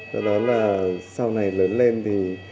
do đó là sau này lớn lên thì